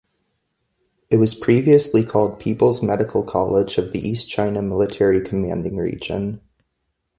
It was previously called People's Medical College of the East China Military Commanding Region.